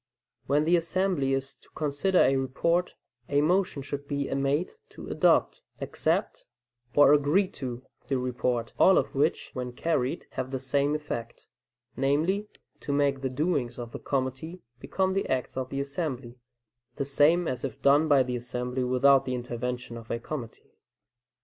When the assembly is to consider a report, a motion should be made to "adopt," "accept," or "agree to" the report, all of which, when carried, have the same effect, namely, to make the doings of the committee become the acts of the assembly, the same as if done by the assembly without the intervention of a committee.